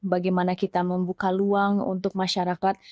bagaimana kita membuka ruang untuk masyarakat